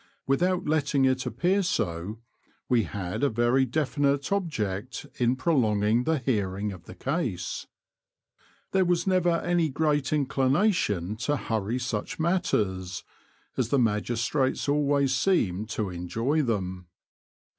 Without letting it appear so, we had a very definite object in • prolonging the hearing of the case. There was never any great inclination to hurry such matters, as the magistrates always seemed to enjoy them.